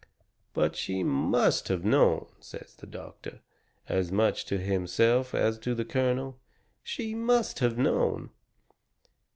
"But she MUST have known," says the doctor, as much to himself as to the colonel. "She MUST have known."